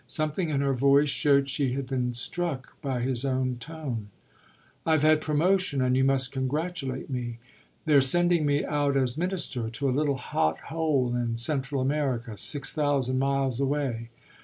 Something in her voice showed she had been struck by his own tone. "I've had promotion and you must congratulate me. They're sending me out as minister to a little hot hole in Central America six thousand miles away.